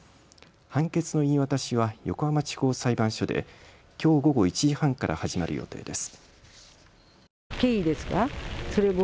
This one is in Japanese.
判決の言い渡しは横浜地方裁判所できょう午後１時半から始まる予定です。